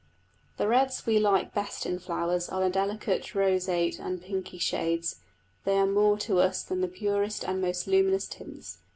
The reds we like best in flowers are the delicate roseate and pinky shades; they are more to us than the purest and most luminous tints.